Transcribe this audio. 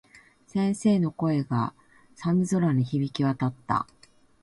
先生の声が、寒空に響き渡った。